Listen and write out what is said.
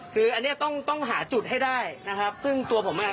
คืออันนี้ต้องหาจุดให้ได้นะครับ